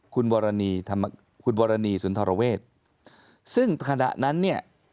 คุณบรณีสุนทรเวศซึ่งขณะนั้นเนี่ย